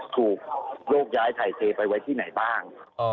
ถูกโยกย้ายถ่ายเทไปไว้ที่ไหนบ้าง